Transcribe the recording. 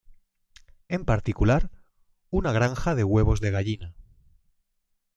En particular, una granja de huevos de gallina.